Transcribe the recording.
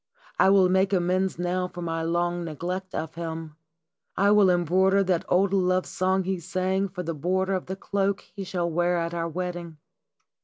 I will make amends now for my long neglect of him. I will embroider that old love song he sang for the border of the cloak he shall wear at our wedding.